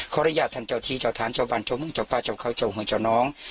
อนุญาตท่านเจ้าที่เจ้าทางเจ้าบ้านเจ้าเมืองเจ้าพระเจ้าเขาเจ้าหึงเจ้าน้อง